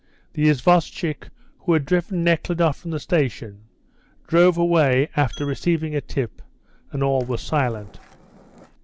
The isvostchik who had driven Nekhludoff from the station, drove away after receiving a tip, and all was silent.